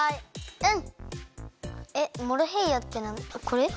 うん。